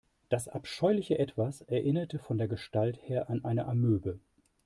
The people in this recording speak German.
Das abscheuliche Etwas erinnerte von der Gestalt her an eine Amöbe.